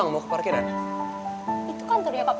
kenapa emang nyusul si sesoeknya kan